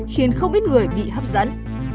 khiến không ít người bị hấp dẫn